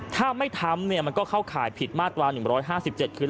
ถ้าไม่ทำมันก็เข้าข่ายผิดมาตรา๑๕๗คือ